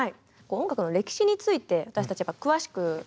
音楽の歴史について私たち詳しくないのでまだ。